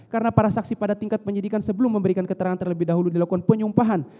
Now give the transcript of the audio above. karena para saksi pada tingkat penyidikan sebelum memberikan keterangan terlebih dahulu dilakukan penyumpahan